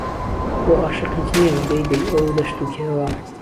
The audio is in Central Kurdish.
بۆ ئاشق هیچ نێ دەی دەی ئەو دەشت و کێوە